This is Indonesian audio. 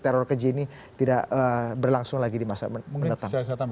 teror keji ini tidak berlangsung lagi di masa mendatang